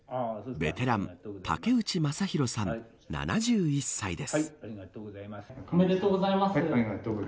ベテラン、竹内正弘さん７１歳です。